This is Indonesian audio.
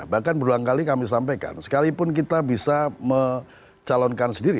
bahkan berulang kali kami sampaikan sekalipun kita bisa mencalonkan sendiri